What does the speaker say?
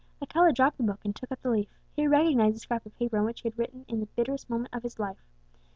Alcala dropped the book, and took up the leaf; he recognized the scrap of paper on which he had written in the bitterest moment of his life.